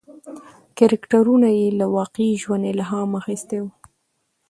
کرکټرونه یې له واقعي ژوند الهام اخیستی و.